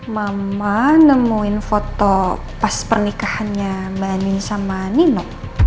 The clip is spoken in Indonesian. mama nemuin foto pas pernikahannya mbak ning sama nino